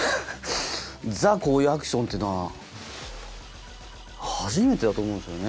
ザ・こういうアクションっていうのは初めてだと思うんですよね。